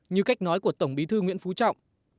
như cách nói của tổng bí thư nguyễn phú trọng